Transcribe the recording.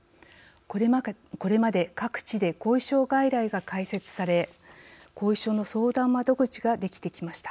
これまで、各地で後遺症外来が開設され後遺症の相談窓口ができてきました。